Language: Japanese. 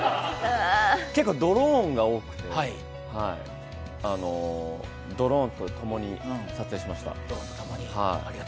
結構ドローンが多くて、ドローンとともに撮影しました。